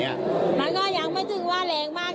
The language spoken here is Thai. มันก็ยังไม่ถึงว่าแรงมาก